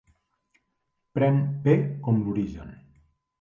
Pren "P" com l'origen.